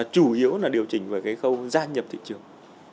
chủ yếu là điều chỉnh về cái khâu gia nhập thị trường